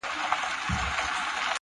اوس لا د گرانښت څو ټكي پـاتــه دي.